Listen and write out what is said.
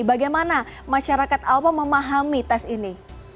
bagaimana masyarakat alfa memahami tes ini